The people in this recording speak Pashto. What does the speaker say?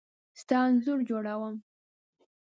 ستا انځور جوړوم .